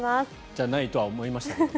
じゃないとは思いましたけど。